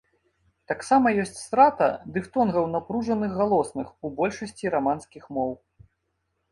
Таксама ёсць страта дыфтонгаў напружаных галосных у большасці раманскіх моў.